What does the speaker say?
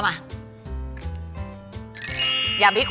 แต่น้องไม่ยอมค่ะ